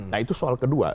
nah itu soal kedua